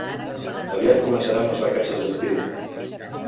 Aviat començaran les vacances d'estiu.